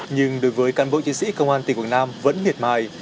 nhưng đối với cán bộ chiến sĩ công an tỉnh quảng nam vẫn miệt mài